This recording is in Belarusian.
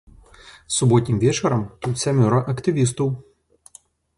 Суботнім вечарам тут сямёра актывістаў.